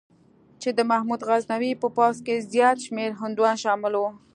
چې د محمود غزنوي په پوځ کې زیات شمېر هندوان شامل وو.